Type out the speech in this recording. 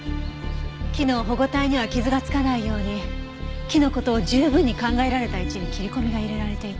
木の保護帯には傷がつかないように木の事を十分に考えられた位置に切り込みが入れられていた。